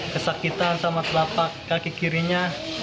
kesakitan sama telapak kaki kirinya